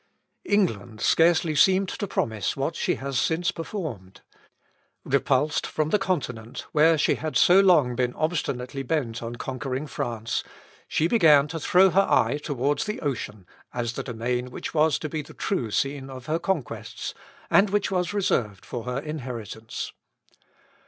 England scarcely seemed to promise what she has since performed. Repulsed from the Continent, where she had so long been obstinately bent on conquering France, she began to throw her eye towards the ocean, as the domain which was to be the true scene of her conquests, and which was reserved for her inheritance.